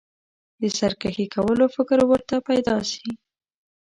د سرکښي کولو فکر ورته پیدا شي.